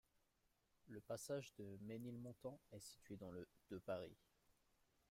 Le passage de Ménilmontant est situé dans le de Paris.